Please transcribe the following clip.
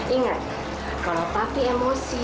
ingat kalau papi emosi